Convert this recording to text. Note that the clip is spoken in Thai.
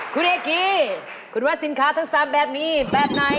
คุณเอกีคุณว่าสินค้าทั้ง๓แบบนี้แบบไหน